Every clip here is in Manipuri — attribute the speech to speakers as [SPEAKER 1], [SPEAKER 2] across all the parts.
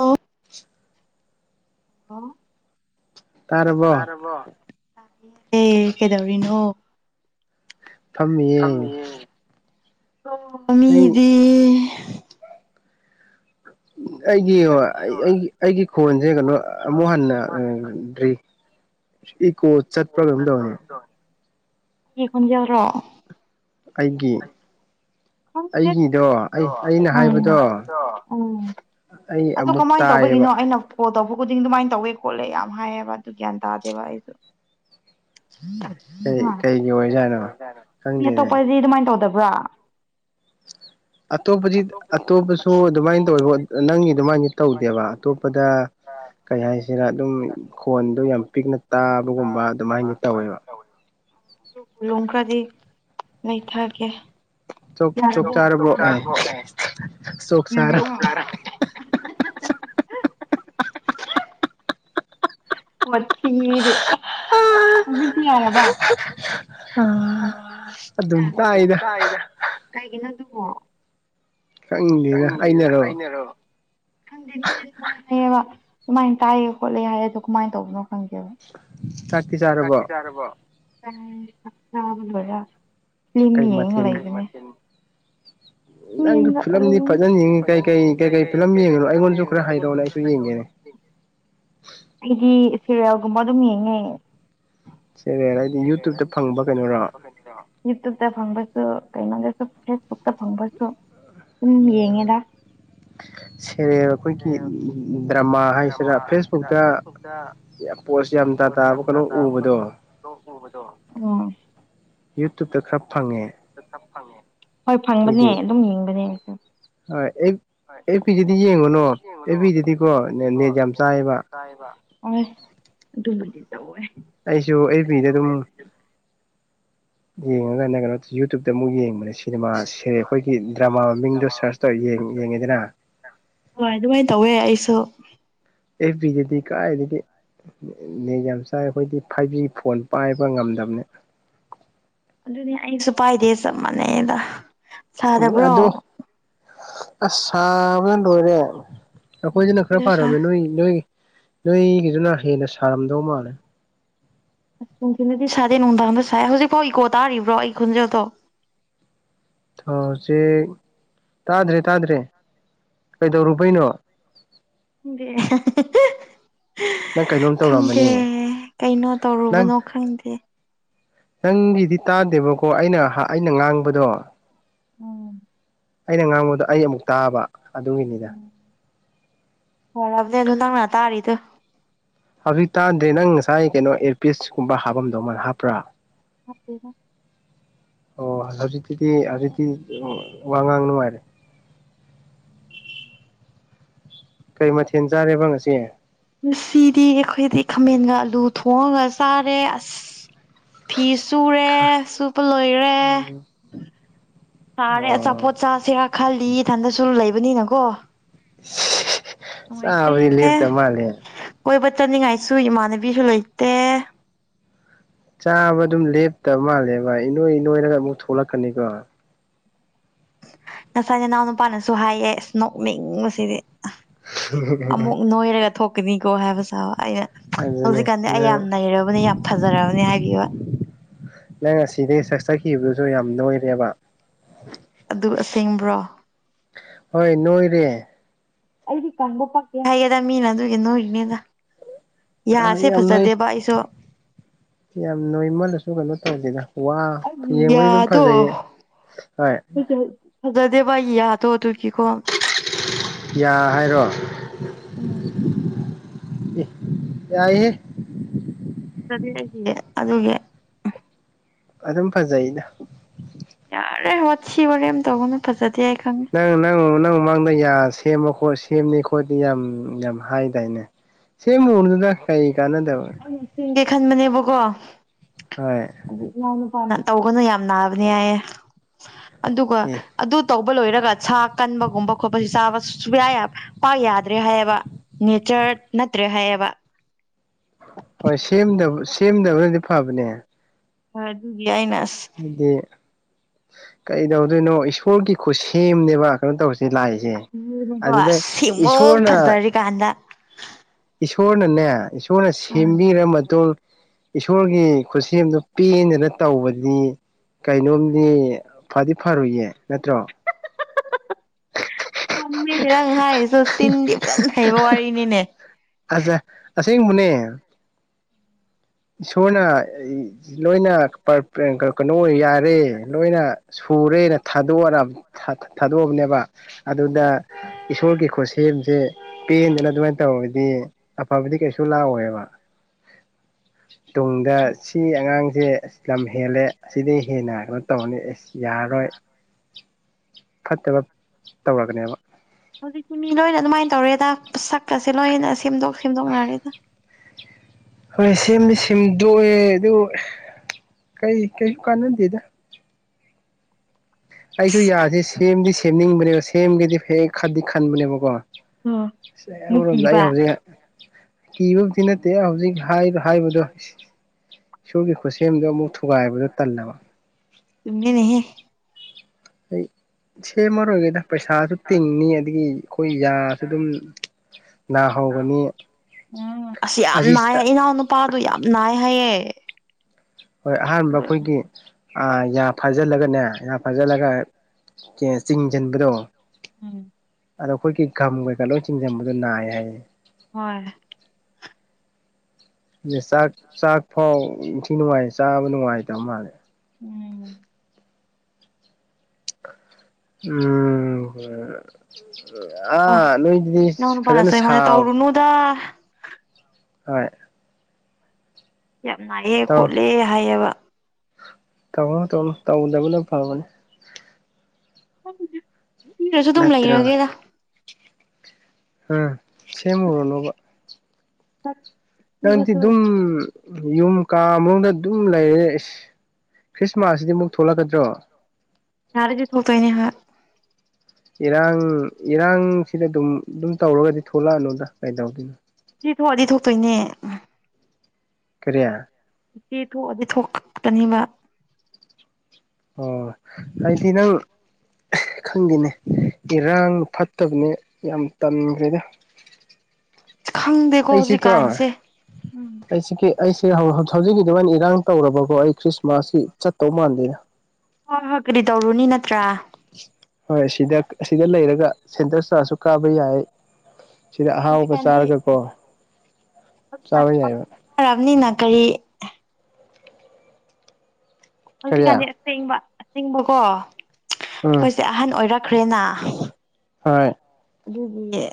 [SPEAKER 1] ꯑꯣ ꯂ‌ꯣ
[SPEAKER 2] ꯇꯥꯔꯕꯣ
[SPEAKER 1] ꯇꯔꯕꯣ ꯀꯩꯗꯧꯔꯤꯅ ꯍꯣ
[SPEAKER 2] ꯐꯝꯃꯤꯌꯦ ꯅꯪ
[SPEAKER 1] ꯗꯤ
[SPEAKER 2] ꯑꯩꯒꯤꯒꯤ ꯑꯩꯒꯤ ꯈꯣꯟꯖ‌ꯦ ꯀꯩꯅꯣ ꯑꯃꯨꯛ ꯍꯟꯅ꯭ꯔꯤ ꯏꯀꯣ ꯆꯠꯄ꯭ꯔꯥ ꯀꯝ ꯇꯧꯅꯤ
[SPEAKER 1] ꯈꯣꯟꯖ‌ꯦꯜꯔꯣ
[SPEAKER 2] ꯑꯩꯒꯤ ꯑꯩꯒꯤꯗꯣ ꯑꯩ ꯑꯩꯅ ꯍꯥꯏꯕꯗꯣ ꯑꯩ ꯑꯃꯨꯛ ꯇꯥꯏꯌꯦꯕ
[SPEAKER 1] ꯐꯣ ꯇꯧꯕ ꯈꯨꯗꯤꯡ ꯑꯗꯨꯃꯥꯏꯅ ꯇꯧꯋꯦ ꯈꯣꯠꯂꯦ ꯌꯥꯝ ꯍꯥꯏꯌꯦꯕ ꯑꯗꯨ ꯒ꯭ꯌꯥꯟ ꯇꯥꯗꯦꯕ ꯑꯩꯁꯨ
[SPEAKER 2] ꯑ‌ꯦ
[SPEAKER 1] ꯃꯤ ꯑꯇꯣꯞꯄꯗꯤ ꯑꯗꯨꯃꯥꯏꯅ ꯇꯧꯗꯕ꯭ꯔꯥ
[SPEAKER 2] ꯑꯇꯣꯞꯄꯗꯤ ꯑꯇꯣꯞꯄꯁꯨ ꯑꯗꯨꯃꯥꯏꯅ ꯇꯧꯋꯦꯕ ꯅꯪꯒꯤ ꯑꯗꯨꯃꯥꯏꯅꯗꯤ ꯇꯧꯗꯦꯕ ꯑꯇꯣꯞꯄꯗ ꯀꯩ ꯍꯥꯏꯁꯦ ꯁꯤꯗ ꯑꯗꯨꯝ ꯈꯣꯟꯗꯣ ꯌꯥꯝ ꯄꯤꯛꯅ ꯇꯥꯕꯒꯨꯝꯕ ꯑꯗꯨꯃꯥꯏꯅꯗꯤ ꯇꯧꯋꯦꯕ
[SPEAKER 1] qqqqꯀꯨꯂꯣꯡ ꯈꯔꯗꯤ ꯂꯩꯊꯒꯦ
[SPEAKER 2] ꯆꯣꯛ ꯆꯣꯛ ꯆꯥꯔꯕꯣ ꯑꯦ ꯆꯣꯛ ꯆꯥꯔꯕꯣ
[SPEAKER 1] [inaudible] ꯃꯊꯤꯔꯦ ꯑꯗꯨꯠꯇꯤ ꯍꯥꯏꯔꯕ
[SPEAKER 2] ꯑ ꯑꯗꯨ ꯑꯗꯨꯇ ꯍꯥꯏꯗ
[SPEAKER 1] ꯍꯥꯏꯗ ꯀꯩꯒꯤꯅꯣ ꯑꯗꯨꯕꯣ
[SPEAKER 2] ꯀꯪꯅꯤꯡꯗꯦꯗ ꯑꯩꯅꯔꯣ
[SPEAKER 1] ꯈꯪꯗꯦ ꯃꯤꯅ ꯁꯨꯃꯥꯟꯅꯩꯌꯦꯕ ꯁꯨꯃꯥꯏꯅ ꯇꯥꯏꯌꯦ ꯈꯣꯠꯂꯦ ꯍꯥꯏ ꯑꯗꯣ ꯀꯃꯥꯏꯅ ꯇꯧꯕꯅꯣ ꯈꯪꯗꯦꯕ
[SPEAKER 2] ꯆꯥꯛꯇꯤ ꯆꯥꯔꯕꯣ ꯀꯩ ꯃꯊꯦꯜ
[SPEAKER 1] ꯂꯩ
[SPEAKER 2] ꯅꯪꯁꯨ ꯐꯖꯅ
[SPEAKER 1] ꯐꯤꯂꯝꯗꯤ
[SPEAKER 2] ꯌꯦꯡꯉꯤ ꯀꯩ
[SPEAKER 1] ꯐꯖꯅ ꯌꯦꯡꯉꯤ ꯀꯩ ꯀꯩ
[SPEAKER 2] ꯐꯤꯂꯝ
[SPEAKER 1] ꯀꯩꯀꯔꯤ
[SPEAKER 2] ꯌꯦꯡꯉꯤꯅꯣ
[SPEAKER 1] ꯐꯤꯂꯝ
[SPEAKER 2] ꯑꯩꯉꯣꯟꯗꯁꯨ
[SPEAKER 1] ꯌꯦꯡꯉꯅꯣ
[SPEAKER 2] ꯈꯔ
[SPEAKER 1] ꯑꯩꯉꯣꯟꯗꯁꯨ
[SPEAKER 2] ꯍꯥꯏꯔꯛꯑꯣꯅꯦ
[SPEAKER 1] ꯈ
[SPEAKER 2] ꯑꯩꯁꯨ
[SPEAKER 1] ꯍꯥꯏꯗꯧ
[SPEAKER 2] ꯌꯦꯡꯒꯦꯅꯦ
[SPEAKER 1] ꯑꯩꯗꯤ ꯁꯦꯔꯤꯌꯦꯜꯒꯨꯝꯕ ꯑꯗꯨꯝ ꯌꯦꯡꯉꯦ
[SPEAKER 2] ꯁꯦꯔꯦ ꯍꯥꯏꯗꯤ ꯌꯨꯇꯨꯕꯇ ꯐꯪꯕ ꯀꯩꯅꯣꯔꯣ
[SPEAKER 1] ꯌꯨꯇꯨꯕꯇ ꯐꯪꯕꯁꯨ ꯀꯩꯩꯅꯗꯁꯨ ꯐꯦꯁꯕꯨꯛꯇ ꯐꯪꯕꯁꯨ ꯑꯗꯨꯝ ꯌꯦꯡꯉꯦꯗ
[SPEAKER 2] ꯁꯦꯔꯌꯦꯜ ꯑꯩꯈꫭꯏꯒꯤ ꯗ꯭ꯔꯃꯥ ꯍꯥꯏꯁꯤꯔ ꯐꯦꯁꯕꯨꯛꯇ
[SPEAKER 1] ꯇ
[SPEAKER 2] ꯄꯣꯁ ꯌꯥꯝꯇꯥ ꯇꯥꯕ ꯀꯩꯅꯣ ꯎꯕꯗꯣ
[SPEAKER 1] [unintelligible] ꯎꯝ
[SPEAKER 2] ꯌꯨꯇꯨꯞꯇ ꯈꯔ ꯐꯪꯉꯦ
[SPEAKER 1] [unintelligible] ꯍꯣꯏ ꯐꯪꯕꯅꯦ
[SPEAKER 2] ꯑꯩꯈꯣꯏꯒꯤ
[SPEAKER 1] ꯑꯗꯨꯝ ꯌꯦꯡꯕꯅꯦ
[SPEAKER 2] ꯍꯣꯏ ꯑꯦꯐ ꯕꯤꯗꯗꯤ ꯌꯦꯡꯉꯨꯅꯣ ꯑꯦꯐ ꯕꯤꯗꯗꯤꯀꯣ ꯅꯦꯠ ꯌꯥꯝ ꯆꯥꯏꯌꯦꯕ
[SPEAKER 1] [unintelligible] ꯍꫭꯏ ꯑꯗꯨꯕꯨꯗꯤ ꯇꯧꯋꯦ
[SPEAKER 2] ꯑꯩꯁꯨ ꯑꯦꯐ ꯕꯤꯗ ꯑꯗꯨꯝ ꯌꯦꯡꯉ ꯀꯥꯟꯗ ꯀꯩꯅꯣ ꯌꯨꯇꯌꯨꯕꯇ ꯑꯃꯨꯛ ꯌꯦꯡꯕꯅꯦ ꯁꯤ ꯁꯤꯅꯦꯃꯥ ꯁꯦꯔꯦ ꯑꯩꯈꯣꯏꯒꯤ ꯗ꯭ꯔꯃꯥ ꯃꯃꯤꯡꯗꯣ ꯁꯔꯁ ꯇꯧꯔ ꯌꯦꯡꯉꯤꯗꯅ
[SPEAKER 1] ꯍꯣꯏ ꯑꯗꯨꯃꯥꯏꯅ ꯇꯧꯋꯦ ꯑꯩꯁꯨ
[SPEAKER 2] ꯑꯦꯐ ꯕꯤꯗꯗꯤ ꯀꯥꯏꯗꯒꯤ ꯅꯦꯠ ꯌꯥꯝ ꯆꯥꯏ ꯑꯩꯈꯣꯏꯗꯤ ꯐꯥꯏꯚ ꯖꯤ ꯐꯣꯟ ꯄꯥꯏꯕ ꯉꯝꯗꯕꯅꯦ
[SPEAKER 1] ꯑꯗꯨꯅꯦ ꯑꯩꯁꯨ ꯄꯥꯏꯗꯦ ꯆꯞ ꯃꯥꯟꯅꯩꯗ
[SPEAKER 2] ꯎꯝ ꯑꯗꯣ ꯑꯁ ꯁꯥꯕꯅ ꯂꯣꯏꯔꯦ
[SPEAKER 1] ꯎꯝ
[SPEAKER 2] ꯑꯩꯈꯣꯏꯁꯤꯅ ꯈꯔ
[SPEAKER 1] ꯁꯤꯗ ꯁꯥ
[SPEAKER 2] ꯐꯥꯔꯝꯃꯦ ꯅꯣꯏ ꯅꯣꯏ ꯅꯣꯏꯒꯤꯗꯨꯅ ꯍꯦꯟꯅ ꯁꯥꯔꯝꯗꯧ ꯃꯥꯜꯂꯦ
[SPEAKER 1] ꯑꯁ ꯅꯨꯡꯊꯤꯟꯗꯗꯤ ꯁꯥꯗꯦ ꯅꯨꯡꯗꯥꯡꯗ ꯁꯥꯏ ꯍꯧꯖꯤꯛꯐꯥꯎ ꯏꯀꯣ ꯇꯥꯔꯤꯕ꯭ꯔꯣ ꯑꯩ ꯈꫭꯟꯖꯦꯜꯗꯣ
[SPEAKER 2] ꯍꯥꯎꯖꯤꯛ ꯇꯥꯗ꯭ꯔꯦ ꯇꯥꯗ꯭ꯔꯦ ꯀꯩꯗꯧꯔꯨꯕꯩꯅꯣ
[SPEAKER 1] ꯈꯪꯗꯦ
[SPEAKER 2] ꯅꯪ ꯀꯩꯅꯣꯝ
[SPEAKER 1] ꯈꯪꯗꯦ
[SPEAKER 2] ꯇꯧꯔꯝꯃꯅꯤ
[SPEAKER 1] ꯀꯩꯅꯣ
[SPEAKER 2] ꯅꯪ
[SPEAKER 1] ꯇꯧꯔꯨꯕꯅꯣ ꯈꯪꯗꯦ
[SPEAKER 2] ꯅꯪꯒꯤꯗꯤ ꯇꯥꯗꯦꯕꯀꯣ ꯑꯩꯅ ꯑꯩꯅ ꯉꯥꯡꯕꯗꯣ
[SPEAKER 1] ꯎꯝ
[SPEAKER 2] ꯑꯩꯅ ꯉꯥꯡꯕꯗꯣ ꯑꯩ ꯑꯃꯨꯛ ꯇꯥꯕ ꯑꯗꯨꯒꯤꯅꯤꯗ
[SPEAKER 1] ꯍꯔꯕꯅꯤ ꯑꯗꯨ ꯅꯪꯅ ꯇꯥꯔꯤꯗꫭ
[SPEAKER 2] ꯍꯧꯖꯤꯛ ꯇꯥꯗ꯭ꯔꯦ ꯅꯪ ꯉꯁꯥꯏ ꯀꯩꯅꯣ ꯑꯦꯔꯄꯤꯁ ꯀꯨꯝꯕ ꯍꯥꯞꯐꯝꯗꯧ ꯃꯥꯟꯂꯦ ꯍꯥꯞꯄ꯭ꯔꯥ
[SPEAKER 1] ꯍꯥꯞꯇꯦꯗ
[SPEAKER 2] ꯑꯣ ꯍꯧꯖꯤꯛꯇꯤꯗꯤ ꯍꯧꯖꯤꯛꯇꯤ ꯋꯥ ꯉꯥꯡ ꯅꯨꯡꯉꯥꯏꯔꯦ ꯀꯩ ꯃꯊꯦꯜ ꯆꯥꯔꯦꯕ ꯉꯁꯤ
[SPEAKER 1] ꯉꯁꯤꯗꯤ ꯑꯩꯈꯣꯏꯗꯤ ꯈꯥꯃꯦꯟꯒ ꯑꯜꯂꯨ ꯊꯣꯡꯉꯒ ꯆꯥꯔꯦ ꯑꯁ ꯐꯤ ꯁꯨꯔꯦ ꯁꯨꯕ ꯂꯣꯏꯔꯦ ꯆꯥꯔꯦ
[SPEAKER 2] ꯑꯣ
[SPEAKER 1] ꯑꯆꯥꯄꯣꯠ ꯆꯥꯁꯤꯔꯥ ꯈꯜꯂꯤ ꯏꯊꯟꯗꯁꯨ ꯂꯩꯕꯅꯤꯅꯀꯣ
[SPEAKER 2] ꯆꯥꯕꯗꯤ ꯂꯦꯞꯇꯕ ꯃꯥꯜꯂꯦ
[SPEAKER 1] ꯀꫭꯏꯕ ꯆꯠꯅꯤꯡꯉꯥꯏꯁꯨ ꯏꯃꯥꯟꯅꯕꯤꯁꯨ ꯂꯩꯇꯦ
[SPEAKER 2] ꯆꯥꯕ ꯑꯗꯨꯝ ꯂꯦꯞꯇꯕ ꯃꯥꯜꯂꯦꯕ ꯏꯅꯣꯏ ꯅꯣꯏꯔꯒ ꯑꯃꯨꯛ ꯊꯣꯛꯂꯛꯀꯅꯤꯀꯣ
[SPEAKER 1] ꯉꯁꯥꯏ ꯅꯅꯥꯎ ꯅꯨꯄꯥꯅꯁꯨ ꯍꯥꯏꯌꯦ ꯅꯣꯛꯅꯤꯡꯕꯁꯤꯗꯤ ꯑꯃꯨꯛ ꯅꯣꯏꯔꯒ ꯊꯣꯛꯀꯅꯤꯀꯣ ꯍꯥꯏꯕ ꯁꯥꯕ ꯑꯩꯅ
[SPEAKER 2] ꯑꯗꯨꯅꯦ
[SPEAKER 1] ꯍꯧꯖꯤꯛꯀꯥꯟꯗꯤ ꯑꯩ
[SPEAKER 2] ꯅꯪ
[SPEAKER 1] ꯌꯥꯝ ꯅꯩꯔꯕꯅꯤ ꯌꯥꯝ ꯐꯖꯔꯕꯅꯤ ꯍꯥꯏꯈꯤꯕ
[SPEAKER 2] ꯅꯪ ꯉꯁꯤꯗꯤ ꯆ꯭ꯔꯁ ꯆꯠꯈꯤꯕꯗꯨꯁꯨ ꯌꯥꯝ ꯅꯣꯏꯔꯦꯕ
[SPEAKER 1] ꯑꯗꯨ ꯑꯁꯦꯡꯕ꯭ꯔꯣ
[SPEAKER 2] ꯍꯣꯏ ꯅꯣꯏꯔꯦ
[SPEAKER 1] ꯑꯩꯗꯤ ꯀꯪꯕ ꯄꯥꯛꯇꯦ ꯍꯥꯏꯌꯦꯗ ꯃꯤꯅ ꯑꯗꯨꯒꯤ ꯅꯣꯏꯔꯤꯅꯤꯗ ꯌꯥꯁꯦ
[SPEAKER 2] ꯌꯥꯝ ꯅꯣꯏ
[SPEAKER 1] ꯐꯖꯗꯦꯕ ꯑꯩꯁꯨ
[SPEAKER 2] ꯌꯥꯝ ꯅꯣꯏꯃꯜꯂꯁꯨ ꯀꯩꯅꯣ ꯇꯧꯗꯦꯗ ꯋꯥ
[SPEAKER 1] ꯑꯩꯒꯤ
[SPEAKER 2] ꯌꯦꯡꯕꯗꯤ ꯑꯗꯨꯝ
[SPEAKER 1] ꯌꯥꯗꯣ
[SPEAKER 2] ꯐꯖꯩꯌꯦ ꯍꯣꯏ
[SPEAKER 1] ꯐꯖꯗꯦꯕ ꯌꯥꯗꯣ ꯑꯗꯨꯒꯤꯀꯣ
[SPEAKER 2] ꯌꯥ ꯍꯥꯏꯔꯣ
[SPEAKER 1] ꯎꯝ
[SPEAKER 2] ꯑꯦ ꯌꯥꯏꯍꯦ
[SPEAKER 1] ꯐꯖꯗꯦ ꯑꯩꯒꯤ ꯑꯗꯨꯒꯤ
[SPEAKER 2] ꯑꯗꯨꯝ ꯐꯖꯩꯅ
[SPEAKER 1] ꯌꯥꯔꯦ ꯋꯥꯠꯁꯤ ꯃꯣꯔꯦꯝ ꯇꯧꯕꯅ ꯐꯖꯗꯦ ꯑꯩ ꯈꯪꯉꯦ
[SPEAKER 2] ꯅꯪ ꯅꯪ ꯅꯪ ꯃꯥꯡꯗ ꯁꯦꯝꯕ ꯈꯣꯠ ꯁꯦꯝꯅꯤ ꯈꯣꯠꯂꯤ ꯌꯥꯝ ꯌꯥꯝ ꯍꯥꯏꯗꯥꯏꯅꯦ ꯁꯤ ꯃꯨꯅꯨꯗ ꯀꯩ ꯀꯥꯟꯅꯗꯕ
[SPEAKER 1] ꯊꯤꯡꯒꯦ ꯈꯟꯕꯅꯦꯕꯀꯣ
[SPEAKER 2] ꯍꯣꯏ
[SPEAKER 1] ꯏꯅꯥꯎꯅꯨꯄꯥꯅ ꯇꯧꯒꯅ ꯌꯥꯝ ꯅꯥꯕꯅꯦ ꯍꯥꯏꯌꯦ ꯑꯗꯨꯒ
[SPEAKER 2] ꯑꯦ
[SPEAKER 1] ꯑꯗꯨ ꯇꯧꯕ ꯂꯣꯏꯔꯒ ꯁꯥ ꯀꯟꯕꯒꯨꯝꯕ ꯈꯣꯠꯄꯁꯤ ꯆꯥꯕ ꯁꯨꯡꯌꯥ ꯄꯥꯛ ꯌꯥꯗ꯭ꯔꯦ ꯍꯥꯏꯌꯦꯕ ꯅꯦꯆꯔ ꯅꯠꯇ꯭ꯔꯦ ꯍꯥꯏꯌꯦꯕ
[SPEAKER 2] ꯍꯣꯏ ꯁꯦꯝꯗ ꯁꯦꯝꯗꯕꯅꯗꯤ ꯐꯕꯅꯦ
[SPEAKER 1] ꯍꯣꯏ ꯑꯗꯨꯗꯤ ꯑꯩꯅꯁ
[SPEAKER 2] ꯍꯥꯏꯗꯤ ꯀꯩꯗꯧꯗꯣꯏꯅꯣ ꯏꯁꯣꯔꯒꯤ ꯈꯨꯠꯁꯦꯝꯅꯦꯕ ꯀꯩꯅꯣ ꯇꯧꯁꯤ ꯂꯥꯛꯏꯁꯦ
[SPEAKER 1] ꯑꯗꯨꯅꯤꯀꯣ
[SPEAKER 2] ꯑꯗꯨꯗ
[SPEAKER 1] ꯁꯤꯃꯨꯛ
[SPEAKER 2] ꯏꯁꯣꯔꯅ
[SPEAKER 1] ꯐꯖꯔꯤꯀꯥꯟꯗ
[SPEAKER 2] ꯏꯁꯣꯔꯅꯅꯦ ꯏꯁꯣꯔꯅ
[SPEAKER 1] ꯎꯝ
[SPEAKER 2] ꯁꯦꯝꯕꯤꯔ ꯃꯇꯨꯡ ꯏꯁꯣꯔꯒꯤ ꯈꯨꯠꯁꯦꯝꯗꯨ ꯄꯦꯟꯗꯅ ꯇꯧꯕ ꯑꯗꯨꯗꯤ ꯀꯩꯅꯣꯝꯗꯤ ꯐꯗꯤ ꯐꯔꯨꯏꯌꯦ ꯅꯠꯇ꯭ꯔꯣ
[SPEAKER 1] [inaudible] ꯁꯁꯤꯗ ꯍꯥꯏꯁꯨ ꯆꯤꯟꯗꯤ ꯄꯨꯖꯅ ꯍꯕ ꯋꯥꯔꯤꯅꯦꯅꯦ
[SPEAKER 2] ꯑꯁꯁ ꯑꯁꯦꯡ ꯃꯅꯦ ꯏꯁꯣꯔꯅ ꯂꯣꯏꯅ ꯀꯩꯅꯣ ꯑꯣꯏ ꯌꯥꯔꯦ ꯂꯣꯏꯅ ꯁꯨꯔꯦꯅ ꯊꯥꯗꯣꯛꯑ ꯊꯥꯗꯣꯛꯑꯕꯅꯦꯕ ꯑꯗꯨꯗ ꯏꯁꯣꯔꯒꯤ ꯈꯨꯠꯁꯦꯝꯁꯦ ꯄꯦꯟꯗꯅ ꯑꯗꯨꯃꯥꯏꯅ ꯇꯧꯗꯤ ꯑꯐꯕꯗꯤ ꯀꯩꯁꯨ ꯂꯥꯛꯑꯣꯏꯕ ꯇꯨꯡꯗ ꯁꯤ ꯑꯉꯥꯡꯁꯦ ꯂꯝ ꯍꯦꯜꯂꯦ ꯑꯁꯤꯗꯒꯤ ꯍꯦꯟꯅ ꯀꯩꯅꯣ ꯇꯧꯔꯅꯤ ꯑꯦꯁ ꯌꯥꯔꯔꯣꯏ ꯐꯠꯇꯕ ꯇꯧꯔꯛꯒꯅꯦꯕ
[SPEAKER 1] ꯍꯧꯖꯤꯛꯇꯤ ꯃꯤ ꯂꯣꯏꯅ ꯑꯗꯨꯃꯥꯏꯅ ꯇꯧꯔꯦꯗ ꯁꯛꯇꯁꯦ ꯂꯣꯏꯅ ꯁꯦꯝꯗꯣꯛ ꯁꯦꯝꯗꯣꯛꯅꯔꯦꯗ
[SPEAKER 2] ꯍꯣꯏ ꯁꯦꯝꯗꯤ ꯁꯦꯝꯗꯣꯛꯑꯦ ꯑꯗꯨ ꯀꯩ ꯀꯩꯁꯨ ꯀꯥꯟꯅꯗꯦꯗ ꯑꯩꯁꯨ ꯌꯥꯁꯦ ꯁꯦꯝꯗꯤ ꯁꯦꯝꯅꯤꯡꯕꯅꯦꯕ ꯁꯦꯝꯒꯦꯗꯤ ꯍꯦꯛ ꯈꯗꯤ ꯈꯟꯕꯅꯦꯕꯀꯣ
[SPEAKER 1] ꯎꯝ ꯃꯨꯛ
[SPEAKER 2] ꯑꯃꯔꯣꯝꯗ ꯑꯩ
[SPEAKER 1] ꯀꯤꯕ
[SPEAKER 2] ꯍꯧꯖꯤꯛ ꯀꯤꯕ ꯃꯛꯇꯤ ꯅꯠꯇꯦ ꯍꯧꯖꯤꯛ ꯍꯥꯏ ꯍꯥꯏꯕꯗꯣ ꯏꯁꯣꯔꯒꯤ ꯈꯨꯠꯁꯦꯝꯗꯣ ꯑꯃꯨꯛ ꯊꯨꯒꯥꯏꯕꯗꯣ ꯇꯜꯂꯕ
[SPEAKER 1] ꯇꯃꯤꯅꯦ
[SPEAKER 2] ꯑꯩ ꯁꯦꯝꯃꯔꯣꯏꯒꯦꯗ ꯄꯩꯁꯥꯁꯨ ꯇꯤꯡꯅꯤ ꯑꯗꯒꯤ ꯑꯩꯈꯣꯏ ꯌꯥꯁꯨ ꯑꯗꯨꯝ ꯅꯥꯍꯧꯒꯅꯤ
[SPEAKER 1] ꯎ ꯑꯁ ꯌꯥꯝ
[SPEAKER 2] ꯑꯁꯤ
[SPEAKER 1] ꯅꯥꯏ ꯄꯥꯗꯣ ꯌꯥꯝ ꯅꯥꯏ ꯍꯥꯏꯌꯦ
[SPEAKER 2] ꯍꯣꯏ ꯑꯍꯥꯟꯕ ꯑꯩꯈꯣꯏꯒꯤ ꯌꯥ ꯐꯥꯖꯤꯜꯂꯒꯅꯦ ꯌꯥ ꯐꯥꯖꯤꯜꯂꯒ ꯀꯦ ꯆꯤꯡꯁꯤꯟꯕꯗꯣ
[SPEAKER 1] ꯎꯝ
[SPEAKER 2] ꯑꯗꯣ ꯑꯩꯈꯣꯏꯒꯤ ꯒꯝ ꯀꯩꯀꯥ ꯂꯣꯏ ꯆꯤꯡꯖꯟꯕꯗꯣ ꯅꯥꯏ ꯍꯥꯏꯌꯦ
[SPEAKER 1] ꯍꯣꯏ
[SPEAKER 2] ꯆꯥꯛ ꯆꯥꯛ ꯐꯥꯎ ꯏꯊꯤ ꯅꯨꯡꯉꯥꯏ ꯆꯥꯕ ꯅꯨꯡꯉꯥꯏꯇꯕ ꯃꯥꯜꯂꯦ
[SPEAKER 1] ꯎꯝ
[SPEAKER 2] ꯎꯝ ꯍ
[SPEAKER 1] ꯑꯣ
[SPEAKER 2] ꯑꯥ ꯅꯣꯏꯗꯨꯗꯤ
[SPEAKER 1] ꯅꯅꯥꯎ ꯅꯨꯄꯥꯅꯁꯨ
[SPEAKER 2] ꯐꯖꯅ
[SPEAKER 1] ꯑꯩꯉꯣꯟꯗ
[SPEAKER 2] ꯁꯥꯎ
[SPEAKER 1] [inaudible]
[SPEAKER 2] ꯍꯣꯏ
[SPEAKER 1] ꯌꯥꯝꯅꯥꯏꯑꯦ
[SPEAKER 2] ꯇꯧ
[SPEAKER 1] ꯈꯣꯠꯂꯦ ꯍꯥꯏꯌꯦꯕ
[SPEAKER 2] ꯇꯧ ꯇꯧꯗꯕꯅ ꯐꯕꯅꯦ
[SPEAKER 1] ꯈꯪꯗ‌ꯦ
[SPEAKER 2] ꯅꯠꯇ꯭ꯔꯣ ꯎꯝ ꯁꯦꯝꯃꯨꯔꯣꯅꯣꯕ
[SPEAKER 1] [unintelligible]
[SPEAKER 2] ꯅꯪꯗꯤ ꯑꯗꯨꯝ ꯌꯨꯝ ꯀꯥ ꯃꯅꯨꯡꯗ ꯑꯗꯨꯝ ꯂꯩꯔꯦ ꯑꯁ ꯈ꯭ꯔꯤꯁꯃꯥꯁꯁꯤꯗꯤ ꯑꯃꯨꯛ ꯊꯣꯛꯂꯛꯀꯗ꯭ꯔꯣ
[SPEAKER 1] ꯍꯔꯗꯤꯠ ꯊꯣꯛ ꯇꯣꯏꯅꯦ ꯍꯥ
[SPEAKER 2] ꯏꯔꯥꯡ ꯏꯔꯥꯡꯁꯤꯗ ꯑꯗꯨꯝ ꯑꯗꯨꯝ ꯇꯧꯔꯒꯗꯤ ꯊꯣꯛꯂꯛꯑꯅꯨꯗ꯭ꯔ ꯀꯥꯏ ꯇꯧꯗꯣꯏꯅꯣ
[SPEAKER 1] ꯁꯤ ꯊꯣꯛꯑꯗꯤ ꯊꯣꯛꯇꯣꯏꯅꯦ
[SPEAKER 2] ꯀꯔꯤꯌꯥ
[SPEAKER 1] ꯏꯆꯦ ꯊꯣꯛꯑꯗꯤ ꯊꯣꯛꯇꯅꯦꯕ
[SPEAKER 2] ꯑꯣ ꯍꯥꯏꯗꯤ ꯅꯪ ꯈꯪꯗꯦꯅꯦ ꯏꯔꯥꯡ ꯐꯠꯇꯕꯅꯦ ꯌꯥꯝ ꯇꯟꯈ꯭ꯔꯦꯗ
[SPEAKER 1] ꯈꯪꯗꯦꯀꯣ
[SPEAKER 2] ꯑꯩꯁꯤꯀꯣ
[SPEAKER 1] ꯍꯧꯖꯤꯛꯀꯥꯟꯁꯦ ꯎꯝ
[SPEAKER 2] ꯑꯩꯁꯤ ꯑꯩꯁꯤ ꯍꯧꯖꯤꯛꯀꯤꯗꯨ ꯑꯣꯏꯅ ꯑꯣꯏꯅ ꯏꯔꯥꯡ ꯇꯧꯔꯕꯀꯣ ꯑꯩ ꯈ꯭ꯔꯤꯁꯃꯥꯁꯀꯤ ꯆꯠꯇꯧ ꯃꯥꯟꯗꯦꯅ
[SPEAKER 1] ꯍꯣꯏ ꯍꯣꯏ ꯀꯔꯤ ꯇꯧꯔꯨꯅꯤ ꯅꯠꯇ꯭ꯔꯥ
[SPEAKER 2] ꯍꯣꯏ ꯁꯤꯗ ꯑꯁꯤꯗ ꯂꯩꯔꯒ ꯁꯦꯟꯇꯔ ꯆꯥꯁꯨ ꯀꯥꯕ ꯌꯥꯏ ꯁꯤꯗ ꯑꯍꯥꯎꯕ
[SPEAKER 1] ꯍꯧꯖꯤꯛꯀꯥꯟꯗꯤ
[SPEAKER 2] ꯆꯥꯔꯒꯀꯣ ꯆꯥꯕ ꯌꯥꯏꯑꯦꯕ
[SPEAKER 1] ꯔꯝꯅꯤ ꯅꯅꯥ ꯀꯔꯤ
[SPEAKER 2] ꯀꯔꯤ
[SPEAKER 1] ꯍꯧꯖꯤꯛꯀꯥꯟꯗꯤ ꯑꯁꯦꯡꯕ ꯑꯁꯦꯡꯕꯀꯣ
[SPEAKER 2] ꯎꯝ
[SPEAKER 1] ꯑꯩꯈꯣꯏꯁꯦ ꯑꯍꯟ ꯑꯣꯏꯔꯛꯈ꯭ꯔꯦꯅ
[SPEAKER 2] ꯍꯣꯏ
[SPEAKER 1] ꯑꯗꯨꯒꯤ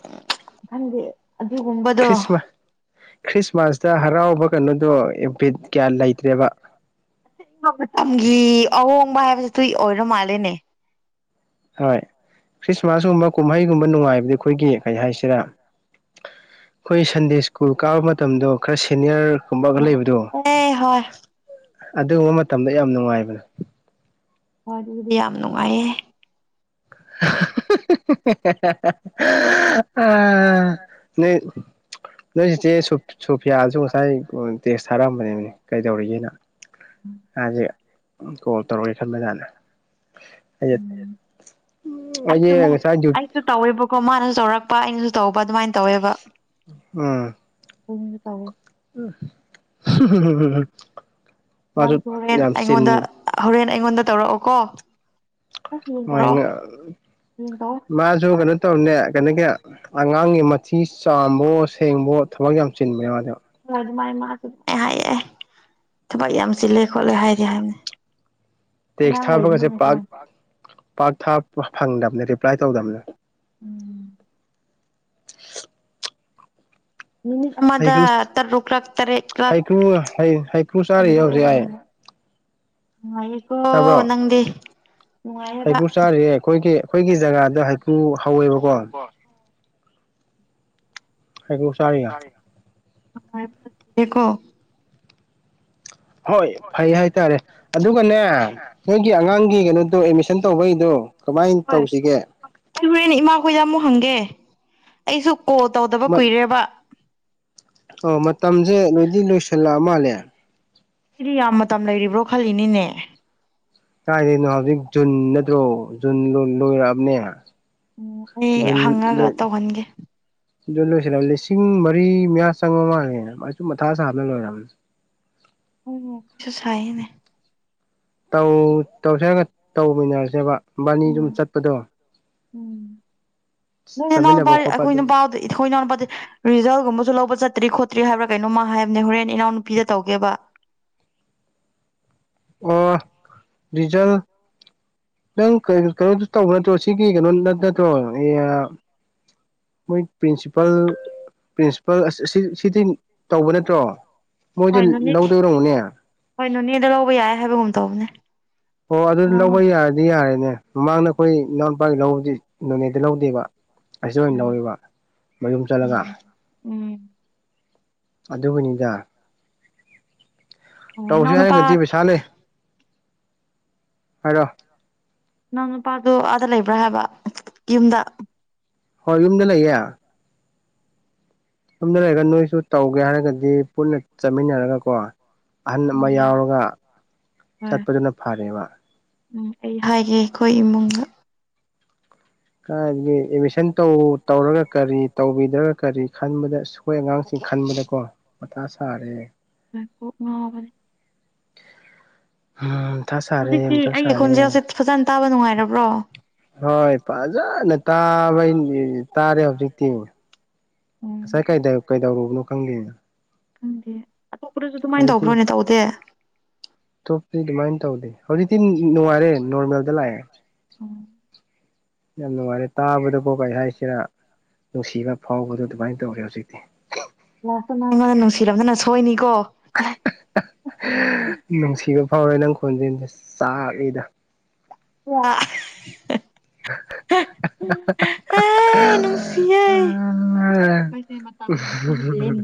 [SPEAKER 1] ꯃꯪꯗꯤ ꯑꯗꯨꯒꯨꯝꯕꯗꯣ
[SPEAKER 2] ꯈ꯭ꯔꯤꯁꯃ ꯈ꯭ꯔꯤꯁꯃꯥꯁꯇ ꯍꯔꯥꯎꯕ ꯀꯩꯅꯣꯗꯣ ꯏꯚꯦꯠ ꯀꯌꯥ ꯂꯩꯇ꯭ꯔꯦꯕ
[SPEAKER 1] ꯃꯇꯝꯒꯤ ꯑꯍꯣꯡꯕ ꯍꯥꯏꯕꯕꯁꯤ ꯇꯨꯏ ꯑꯣꯏꯔ ꯃꯥꯜꯂꯦꯅꯦ
[SPEAKER 2] ꯍꯣꯏ ꯈ꯭ꯔꯤꯁꯃꯥꯁꯀꯨꯝꯕ ꯀꯨꯝꯍꯩꯒꯨꯝꯕ ꯅꯨꯡꯉꯥꯏꯕꯗꯤ ꯑꯩꯈꯣꯏꯒꯤ ꯀꯩ ꯍꯥꯏꯁꯤꯔꯥ ꯑꯩꯈꯣꯏ ꯁꯟꯗꯦ ꯁ꯭ꯀꯨꯜ ꯀꯥꯕ ꯃꯇꯝꯗꯣ ꯈꯔ ꯁꯦꯅꯤꯌꯔ ꯀꯨꯝꯕꯒ ꯂꯩꯕꯗꯣ
[SPEAKER 1] ꯑꯦ ꯍꯣꯏ
[SPEAKER 2] ꯑꯗꯨꯒꯨꯝꯕ ꯃꯇꯝꯗ ꯌꯥꯝ ꯅꯨꯡꯉꯥꯏꯕꯅꯦ
[SPEAKER 1] ꯍꯣꯏ ꯑꯗꯨꯗꯤ ꯌꯥꯝ ꯅꯨꯡꯉꯥꯏꯌꯦ
[SPEAKER 2] [inaudible] [inaudible]
[SPEAKER 1] ꯑ ꯍ
[SPEAKER 2] ꯅ ꯅꯣꯢꯆꯦ ꯁꯨ ꯁꯣꯐꯤꯌꯥꯁꯨ ꯉꯁꯥꯏ ꯇꯦꯛꯁ ꯊꯥꯔꯝꯕꯅꯦꯅꯦ ꯀꯩꯗꯧꯔꯤꯒꯦꯅ ꯃꯥꯁꯦ ꯀꯣꯜ ꯇꯧꯔꯛꯒꯦ ꯈꯟꯕꯖꯥꯅ ꯑꯩꯁꯦ
[SPEAKER 1] ꯎꯝ ꯑꯩꯁꯨ
[SPEAKER 2] ꯑꯩꯁꯦ ꯉꯁꯥꯏ
[SPEAKER 1] ꯑꯩꯁꯨ ꯇꯧꯋꯦꯕꯀꯣ ꯃꯥꯅꯁꯨ ꯆꯥꯎꯧꯔꯛꯄ ꯑꯩꯅꯁꯨ ꯇꯧꯕ ꯑꯗꯨꯃꯥꯏꯅ ꯇꯧꯋꯦꯕ
[SPEAKER 2] ꯎꯝ
[SPEAKER 1] ꯑꯩꯏꯗꯤ ꯇꯔꯦ ꯅꯪꯁꯨ
[SPEAKER 2] ꯃꯥꯔꯁꯨ
[SPEAKER 1] ꯍꯣꯔꯦꯟ
[SPEAKER 2] ꯌꯥꯝꯁꯤꯟ
[SPEAKER 1] ꯑꯩꯉꯣꯟꯗ ꯍꯣꯔꯦꯟ ꯑꯩꯉꯣꯟꯗ ꯇꯧꯔꯛꯑꯣꯀꯣ ꯍꯌꯦꯡ
[SPEAKER 2] ꯍ
[SPEAKER 1] ꯇꯧꯔꯛꯑꯣ ꯍꯌꯦꯡ ꯇꯧꯑꯣ
[SPEAKER 2] ꯃꯥꯁꯨꯒꯩꯅ ꯇꯧꯔꯤꯅꯦ ꯀꯩꯅꯣꯒꯤ ꯑꯉꯥꯡꯒꯤ ꯃꯊꯤ ꯆꯥꯝꯕꯣ ꯁꯦꯡꯕꯣ ꯊꯕꯛ ꯌꯥꯝ ꯆꯤꯟꯕꯅꯦ ꯃꯥꯅꯦ
[SPEAKER 1] ꯍꯣꯏ ꯑꯗꯨꯃꯥꯏ ꯃꯥꯁꯨ ꯑꯗꯨ ꯍꯥꯏꯌꯦ ꯊꯕꯛ ꯌꯥꯝ ꯆꯤꯜꯂꯦ ꯈꯣꯠꯂꯦ ꯍꯥꯏꯗꯤ ꯍꯥꯏꯕꯅꯦ
[SPEAKER 2] ꯇꯦꯛꯁ
[SPEAKER 1] ꯑꯉꯥꯡ
[SPEAKER 2] ꯊꯥꯕꯒꯁꯦ
[SPEAKER 1] ꯂꯩꯕꯅꯤꯅꯀꯣ
[SPEAKER 2] ꯄꯥꯛ ꯄꯥꯛ ꯊꯥ ꯐꯪꯗꯕꯅꯦ ꯔꯤꯄ꯭ꯂꯥꯏ ꯇꯧꯗꯕꯅꯦ
[SPEAKER 1] ꯎꯝ ꯅꯨꯃꯤꯠ ꯑꯃꯗ
[SPEAKER 2] ꯍꯩꯒ꯭ꯔꯨ
[SPEAKER 1] ꯇꯔꯨꯛꯂꯛ ꯇꯔꯦꯠꯂꯛ
[SPEAKER 2] ꯍꯩꯀ꯭ꯔꯨ ꯍꯩꯀ꯭ꯔꯨ ꯆꯥꯔꯤꯌꯦ ꯍꯧꯖꯤꯛ
[SPEAKER 1] [unintelligible]
[SPEAKER 2] ꯑꯩ
[SPEAKER 1] ꯅꯨꯉꯥꯏꯔꯤꯀꯣ ꯅꯪꯗꯤ ꯅꯨꯡꯉꯥꯏꯌꯦꯕ
[SPEAKER 2] ꯍꯩꯕꯨ ꯆꯥꯔꯤꯌꯦ ꯑꯩꯈꯣꯏꯒꯤ ꯑꯩꯈꯣꯏꯒꯤ ꯖꯒꯥꯗ ꯍꯩꯀ꯭ꯔꯨ ꯍꯧꯋꯦꯕꯀꯣ ꯍꯩꯀ꯭ꯔꯨ ꯆꯥꯔꯤꯌꯦ
[SPEAKER 1] [unintelligible] ꯀꯣ
[SPEAKER 2] ꯍꯣꯏ ꯐꯩ ꯍꯥꯏꯇꯥꯔꯦ ꯑꯗꯨꯒꯅꯦ ꯅꯣꯏꯒꯤ ꯑꯉꯥꯡꯒꯤ ꯀꯩꯅꯣꯗꯣ ꯑꯦꯠꯃꯤꯁꯟ ꯇꯧꯕꯩꯗꯣ ꯀꯃꯥꯏꯅ
[SPEAKER 1] ꯍꯣꯏ
[SPEAKER 2] ꯇꯧꯁꯤꯒꯦ
[SPEAKER 1] ꯑꯩ ꯍꯣꯔꯦꯟ ꯏꯃꯥꯈꯣꯏꯗ ꯑꯃꯨꯛ ꯍꯪꯒꯦ ꯑꯩꯁꯨ ꯀꯣꯜ ꯇꯧꯗꯕ ꯀꯨꯏꯔꯦꯕ
[SPEAKER 2] ꯑꯣ ꯃꯇꯝꯁꯦ ꯂꯣꯏꯗꯤ ꯂꯣꯏꯁꯜꯂꯛꯑ ꯃꯥꯜꯂꯦ
[SPEAKER 1] ꯏꯗꯤ ꯌꯥꯝ ꯃꯇꯝ ꯂꯩꯔꯤꯕ꯭ꯔꯣ ꯈꯜꯂꯤꯅꯤꯅꯦ
[SPEAKER 2] ꯀꯥꯏꯗꯅꯣ ꯍꯧꯖꯤꯛ ꯖꯨꯟ ꯅꯠꯇ꯭ꯔꯣ ꯖꯨꯟ ꯂꯣꯏꯔꯛꯑꯕꯅꯦ
[SPEAKER 1] ꯎꯝ ꯑꯩ ꯍꯪꯉꯒ ꯇꯧꯍꯟꯒꯦ
[SPEAKER 2] ꯑꯗꯨ ꯂꯣꯏꯁꯤꯜꯂ ꯂꯤꯁꯤꯡ ꯃꯔꯤ ꯃꯌꯥ ꯆꯪꯉ ꯃꯥꯜꯂꯦ ꯑꯆꯨꯝ ꯃꯊꯥ ꯁꯥꯕꯅ ꯂꯣꯏꯔꯕꯅꯤ
[SPEAKER 1] [unintelligible] ꯁꯥꯏꯅꯦ
[SPEAKER 2] ꯇꯧ ꯇꯧꯁꯦꯒ ꯇꯧꯃꯤꯟꯅꯔꯁꯦꯕ ꯕꯥꯅꯤ ꯑꯗꯨꯝ ꯆꯠꯄꯗꯣ ꯆ ꯆꯠꯃꯤꯟꯅꯕ ꯈꯣꯠꯄ ꯑꯗꯨꯝ
[SPEAKER 1] ꯏꯊꯣꯏ ꯅꯥꯎ ꯄꯗꯤ ꯔꯤꯖꯜꯠꯒꯨꯝꯕꯁꯨ ꯂꯧꯕ ꯆꯠꯇ꯭ꯔꯤ ꯈꯣꯠꯇ꯭ꯔꯤ ꯍꯥꯏꯕ꯭ꯔꯥ ꯀꯩꯅꯣꯃ ꯍꯥꯏꯕꯅꯦ ꯍꯣꯔꯦꯟ ꯏꯅꯥꯎꯗ ꯅꯨꯄꯤꯗ ꯇꯧꯒꯦꯕ
[SPEAKER 2] ꯑꯣ ꯔꯤꯖꯜ ꯅꯪ ꯀꯩ ꯀꯩꯅꯣꯗꯨ ꯇꯧꯕ ꯅꯠꯇ꯭ꯔꯣ ꯁꯤꯒꯤ ꯀꯩꯅꯣ ꯅ ꯅꯠꯇ꯭ꯔꯣ [unintelligible] ꯃꯣꯏ ꯄ꯭ꯔꯤꯟꯁꯤꯄꯜ ꯄ꯭ꯔꯤꯟꯁꯤꯄꯜ ꯑꯁ ꯁꯤꯗꯤ ꯇꯧꯕ ꯅꯠꯇ꯭ꯔꯣ ꯃꯣꯏꯗꯤ
[SPEAKER 1] ꯍꯣꯏ ꯅꯣꯅꯦ
[SPEAKER 2] ꯂꯧꯗꯣꯏ ꯑꯣꯏꯔꯝꯒꯅꯦ
[SPEAKER 1] ꯍꯣꯏ ꯅꯣꯅꯦꯗ ꯂꯧꯕ ꯌꯥꯏ ꯍꯥꯏꯕꯒꯨꯝ ꯇꯧꯕꯅꯦ
[SPEAKER 2] ꯑꯣ ꯑꯗꯨ
[SPEAKER 1] ꯏꯅꯥꯎꯅ
[SPEAKER 2] ꯂꯧꯕ ꯌꯥꯔꯗꯤ ꯌꯥꯔꯦꯅꯦ ꯃꯃꯥꯡꯗ ꯑꯩꯈꯣꯏ ꯏꯅꯥꯎ ꯅꯨꯨꯄꯥꯒꯤ ꯂꯧꯕꯗꯤ ꯅꯣꯅꯦꯗ ꯂꯧꯗꯦꯕ ꯑꯁꯤꯗ ꯑꯣꯏꯅ ꯂꯧꯋꯦꯕ
[SPEAKER 1] [unintelligible]
[SPEAKER 2] ꯃꯌꯨꯝ ꯆꯠꯂꯒ
[SPEAKER 1] ꯎꯝ
[SPEAKER 2] ꯑꯗꯨꯕꯨꯅꯤꯗ
[SPEAKER 1] ꯑꯣ ꯅꯅꯥꯎ
[SPEAKER 2] ꯇꯧꯁ
[SPEAKER 1] ꯅꯨꯄꯥ
[SPEAKER 2] ꯍꯥꯏꯔꯒꯗꯤ ꯄꯩꯁꯥ ꯂꯩ ꯍꯥꯏꯔꯣ
[SPEAKER 1] ꯅꯪ ꯅꯨꯄꯥꯗꯨ ꯑꯥꯗ ꯂꯩꯕ꯭ꯔꯥ ꯍꯥꯏꯕ ꯌꯨꯝꯗ
[SPEAKER 2] ꯍꯣ ꯌꯨꯝꯗ ꯂꯩꯌꯦ ꯌꯨꯝꯗ ꯂꯩꯔꯒ ꯅꯣꯏꯁꯨ ꯇꯧꯒꯦ ꯍꯥꯏꯔꯒꯗꯤ ꯄꯨꯟꯅ ꯆꯠꯃꯤꯟꯅꯔꯒ ꯀꯣ ꯑꯍꯟ ꯑꯃ
[SPEAKER 1] ꯌꯥꯏ
[SPEAKER 2] ꯌꯥꯎꯔꯒ
[SPEAKER 1] ꯍꯣꯏ
[SPEAKER 2] ꯆꯠꯄꯗꯨꯅ ꯐꯔꯦꯕ
[SPEAKER 1] ꯎꯝ ꯑꯩ ꯍꯥꯏꯒꯦ ꯈꯣꯏ ꯏꯃꯨꯡꯗ
[SPEAKER 2] ꯀꯥꯏꯗꯒꯤ ꯑꯦꯗꯃꯤꯁꯟ ꯇꯧ ꯇꯧꯔꯒ ꯀꯔꯤ ꯇꯧꯕꯤꯗ꯭ꯔꯒ ꯀꯔꯤ ꯈꯟꯕꯗ ꯑꯁ ꯈꯣꯏ ꯑꯉꯥꯡꯁꯤꯡ ꯈꯟꯕꯗꯀꯣ ꯃꯊꯥ ꯁꯥꯔꯦ
[SPEAKER 1] [unintelligible] ꯀꯣꯛ ꯉꯥꯎꯕꯅꯦ
[SPEAKER 2] ꯍꯝ ꯃꯊꯥ ꯁꯥꯔꯦ
[SPEAKER 1] ꯍꯧꯖꯤꯛꯇꯤ
[SPEAKER 2] ꯃꯊꯥ
[SPEAKER 1] ꯑꯩꯒꯤ
[SPEAKER 2] ꯁꯥꯔꯦ
[SPEAKER 1] ꯈꯣꯟꯖꯦꯜꯁꯦ ꯐꯖꯅ ꯇꯥꯕ ꯅꯨꯡꯉꯥꯏꯔꯕ꯭ꯔꯣ
[SPEAKER 2] ꯍꯣꯏ ꯐꯖꯅ ꯇꯥꯕꯩꯅꯤ ꯇꯥꯔꯦ ꯍꯧꯖꯤꯛꯇꯤ
[SPEAKER 1] ꯎꯝ
[SPEAKER 2] ꯉꯁꯥꯏ ꯀꯩꯗ ꯀꯩꯗꯧꯔꯨꯕꯅꯣ ꯈꯪꯗꯦꯅ
[SPEAKER 1] ꯈꯪꯗꯦ ꯑꯇꯣꯞꯄꯗꯁꯨ ꯑꯗꯨꯃꯥꯏꯅ
[SPEAKER 2] ꯍꯧꯖꯤꯛꯇꯤ
[SPEAKER 1] ꯇꯧꯕ꯭ꯔꯣꯅꯦ ꯇꯧꯗꯦ
[SPEAKER 2] ꯑꯇꯣꯞꯄꯗꯤ ꯑꯗꯨꯃꯥꯏꯅ ꯇꯧꯗꯦ ꯍꯧꯖꯤꯛꯇꯤ ꯅꯨꯡꯉꯥꯏꯔꯦ ꯅꯣꯔꯃꯦꯜꯗ ꯂꯥꯛꯑꯦ ꯌꯥꯝ ꯅꯨꯡꯉꯥꯏꯔꯦ ꯇꯥꯕꯗꯀꯣ ꯀꯩ ꯍꯥꯏꯁꯤꯔ ꯅꯨꯡꯁꯤꯕ ꯐꯥꯎꯕꯗꯣ ꯑꯗꯨꯃꯥꯏꯅ ꯇꯧꯔꯦ ꯍꯧꯖꯤꯛꯇꯤ
[SPEAKER 1] ꯂꯥꯁꯇ [unintelligible] ꯅꯨꯡꯁꯤꯔꯝꯗꯅ ꯁꯣꯏꯅꯤꯀꯣ
[SPEAKER 2] ꯅꯨꯡꯁꯤꯕ ꯐꯥꯎꯔꯦ ꯅꯪ ꯈꯣꯟꯖꯦꯜꯁꯦ ꯆꯥꯛꯏꯗ
[SPEAKER 1] [unintelligible] [unintelligible] ꯅꯨꯡꯁꯤꯌꯦ [unintelligible] ꯃꯇꯝꯒꯤ ꯃꯇꯨꯡ ꯏꯜꯂꯦꯅꯦ